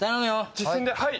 実践ではい。